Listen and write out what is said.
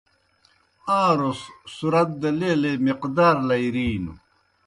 آن٘روْس صُرت دہ لیلے مقدار لائِرِینوْ۔